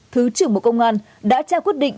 thứ trưởng bộ công an đã trao quyết định